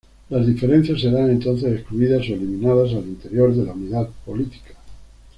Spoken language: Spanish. Las diferencias serán entonces excluidas o eliminadas al interior de la unidad política.